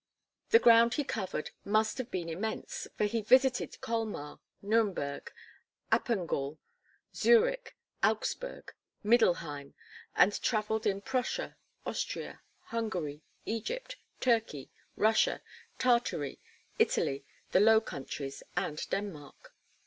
The ground he covered must have been immense, for he visited Colmar, Nurnberg, Appengall, Zurich, Augsburg, Middelheim, and travelled in Prussia, Austria, Hungary, Egypt, Turkey, Russia, Tartary, Italy, the Low Countries and Denmark.